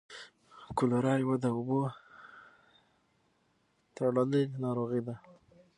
کولرا یوه د اوبو تړلۍ ناروغي ده.